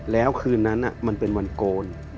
แล้วคืนนั้นมันเป็นวันโกน